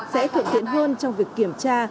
sẽ thượng tiện hơn trong việc kiểm tra